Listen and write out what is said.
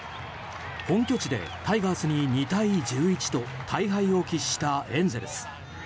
本拠地でタイガースに２対１１と大敗を喫したエンゼルス。